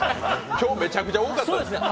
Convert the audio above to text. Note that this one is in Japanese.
今日めちゃくちゃ多かったですね。